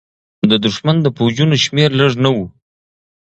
د دښمن د پوځونو شمېر لږ نه و.